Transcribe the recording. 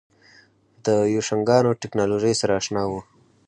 د بوشنګانو ټکنالوژۍ سره اشنا وو.